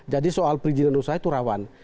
jadi soal perizinan usaha itu rawan